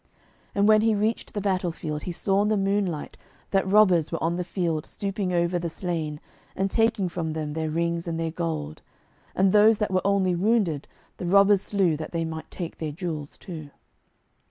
And when he reached the battle field, he saw in the moonlight that robbers were on the field stooping over the slain, and taking from them their rings and their gold. And those that were only wounded, the robbers slew, that they might take their jewels too.